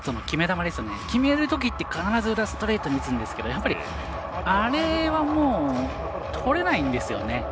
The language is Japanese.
決めるときって必ず宇田、ストレートに打つんですがあれはもう、とれないんですよね。